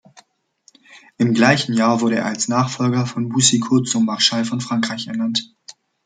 Im gleichen Jahr wurde er als Nachfolger von Boucicaut zum Marschall von Frankreich ernannt.